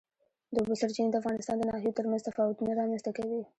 د اوبو سرچینې د افغانستان د ناحیو ترمنځ تفاوتونه رامنځ ته کوي.